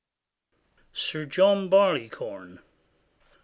SIR JOHN BARLEYCORN.